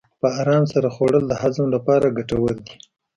په ارام سره خوړل د هضم لپاره ګټور دي.